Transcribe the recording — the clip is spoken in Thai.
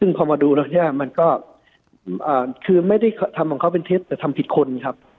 ซึ่งพอมาดูแล้วเนี่ยมันก็คือไม่ได้ทำของเขาเป็นเท็จแต่ทำผิดคนครับ